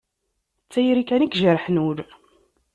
D tayri kan i ijerrḥen ul.